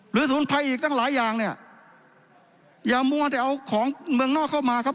สมุนไพรอีกตั้งหลายอย่างเนี่ยอย่ามัวแต่เอาของเมืองนอกเข้ามาครับ